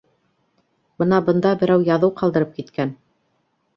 Бына бында берәү яҙыу ҡалдырып киткән.